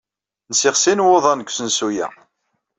Nsiɣ sin waḍan deg usensu-a.